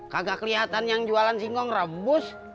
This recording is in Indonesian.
kagak kelihatan yang jualan singkong rebus